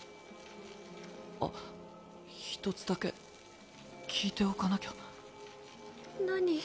あっ一つだけ聞いておかなきゃ。